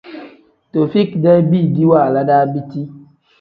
Taufik-dee biidi waala daa biti.